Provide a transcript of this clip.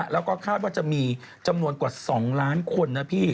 แล้วก็คาดว่าจะมีจำนวนกว่า๒ล้านคนนะพี่